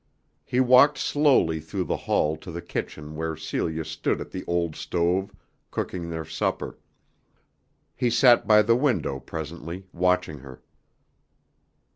He walked slowly through the hall to the kitchen where Celia stood at the old stove, cooking their supper. He sat by the window presently, watching her.